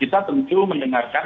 kita tentu mendengarkan